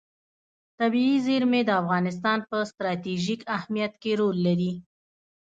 طبیعي زیرمې د افغانستان په ستراتیژیک اهمیت کې رول لري.